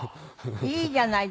いいじゃない。